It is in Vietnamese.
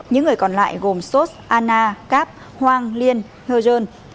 những người còn lại gồm sos anna cap hoang liên hơ dơn